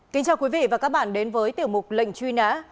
kính chào quý vị và các bạn đến với tiểu mục lệnh truy nã